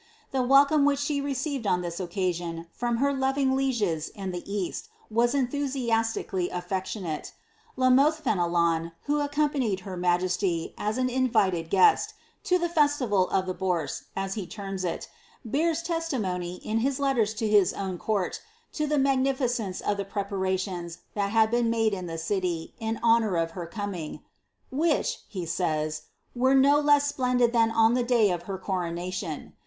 The welcome which she received OB this oceasion, from her loving lieges in the east, was enthusiastically iflectiooate. La Mothe Fenelon, who accompanied her majesty, as aa invited guest, to the festival of the Bourse," as he terms it, besirs tes timony, in his letters to his own court, to the magnificence of the pre piiatioiis that had been made in the city, in honour of her coming, * vhkhy'^ he says, ^ were no less splendid than on the day of her coro ution.